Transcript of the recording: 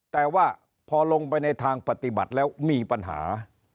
แต่ว่าพอลงไปในทางปฏิบัติแล้วมีปัญหา